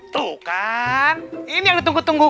tuh kan ini yang ditunggu tunggu